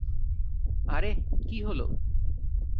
আরেহ কি হল!